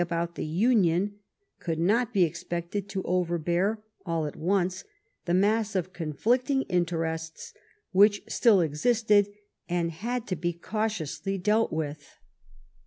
bout the union could not be expected to overbear all at once the mass of conflicting interests which still existed and had to be cautiously dealt with.